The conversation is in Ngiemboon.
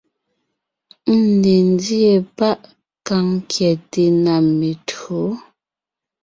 Ńne ńdíe páʼ kàŋ kyɛte na metÿǒ,